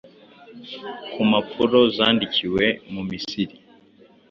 Ku mpapuro zandikiwe mu Misiri